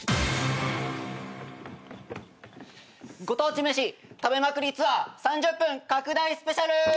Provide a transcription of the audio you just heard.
「ご当地飯食べまくりツアー３０分拡大スペシャル！」